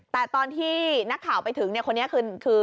แต่ตอนที่นักข่าวไปถึงคนนี้คือ